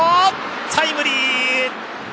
タイムリー！